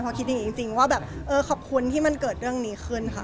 เพราะคิดดีจริงว่าแบบเออขอบคุณที่มันเกิดเรื่องนี้ขึ้นค่ะ